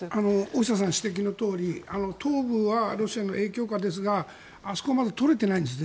大下さんがご指摘のとおり東部はロシアの影響下ですがあそこまだ全部取れてないんです。